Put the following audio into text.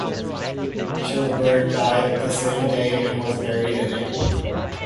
Childebert died the same day and was buried in it.